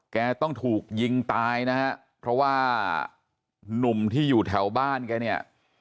แกต้องถูกยิงตายนะฮะเพราะว่าหนุ่มที่อยู่แถวบ้านแกเนี่ย